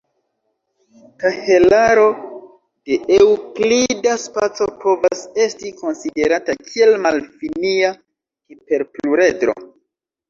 Kahelaro de eŭklida spaco povas esti konsiderata kiel malfinia hiperpluredro.